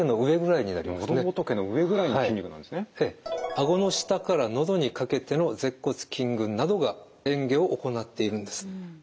あごの下からのどにかけての舌骨筋群などが嚥下を行っているんです。